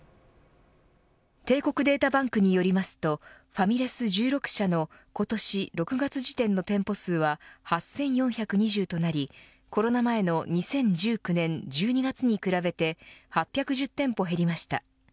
帝国データバンクによりますとファミレス１６社の今年６月時点の店舗数は８４２０となりコロナ前の２０１９年１２月に比べて８１０店舗、減りました。